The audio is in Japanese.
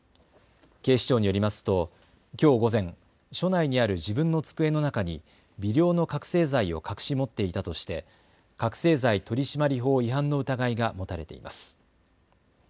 警視庁によりますときょう午前、署内にある自分の机の中に微量の覚醒剤を隠し持っていたとして覚醒剤取締法違反の疑いが持たれています。